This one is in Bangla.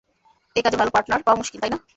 এই কাজে ভালো পার্টনার পাওয়া মুশকিল, তাই না?